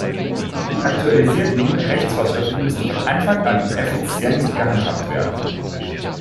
Die aktualisierten Rechtsvorschriften müssen von Anfang an effizient gehandhabt werden.